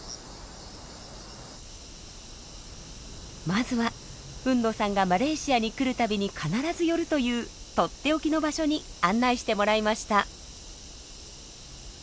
まずは海野さんがマレーシアに来るたびに必ず寄るという取って置きの場所に案内してもらいました。